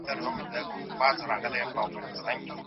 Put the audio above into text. پلان جوړونه د اقتصادي بحران د حل لار ده.